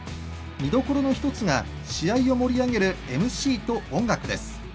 見どころの１つが試合を盛り上げるＭＣと音楽です。